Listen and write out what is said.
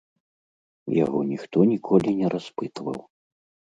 Яго ніхто ніколі не распытваў.